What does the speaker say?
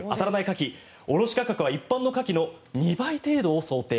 カキ卸価格は一般のカキの２倍程度を想定。